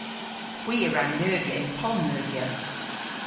Hwi a wra neuvya y'n poll-neuvya.